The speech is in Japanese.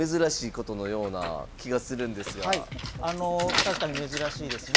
確かに珍しいですね。